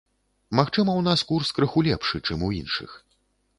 Магчыма, у нас курс крыху лепшы, чым у іншых.